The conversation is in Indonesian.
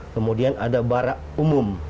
kemudian ada barak umum